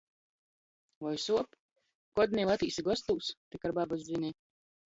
Voi suop? Kod niu atīsi gostūs, tik ar babys zini?